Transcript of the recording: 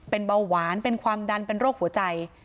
เป็นเบาหวานเป็นความดันเป็นโรคหัวใจ